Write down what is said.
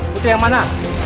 putri yang mana